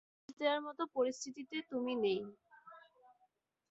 আদেশ দেয়ার পরিস্থিতিতে তুমি নেই।